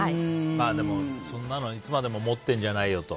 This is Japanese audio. でも、そんなのいつまでも持ってるんじゃないよと。